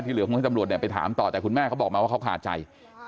เหลือคงให้ตำรวจเนี่ยไปถามต่อแต่คุณแม่เขาบอกมาว่าเขาขาดใจ